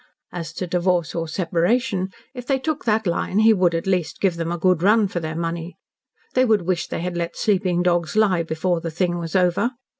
As to divorce or separation if they took that line, he would at least give them a good run for their money. They would wish they had let sleeping dogs lie before the thing was over.